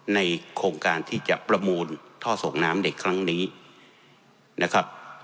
ในโครงการที่จะประมูลท่อส่งน้ำเด็กครั้งนี้นะครับ